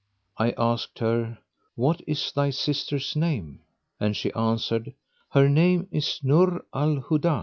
I asked her, "What is thy sister's name?"; and she answered, "Her name is Núr al Hudá."